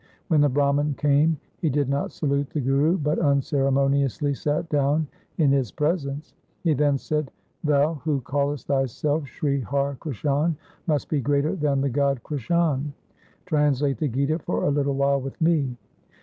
When the Brahman came he did not salute the Guru, but unceremoniously sat down in his presence. He then said, ' Thou who callest thyself Sri Har Krishan, must be greater than the god Krishan. Translate the Gita for a little while with me.'